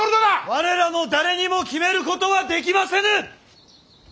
我らの誰にも決めることはできませぬ！